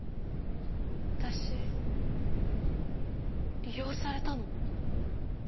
私利用されたの？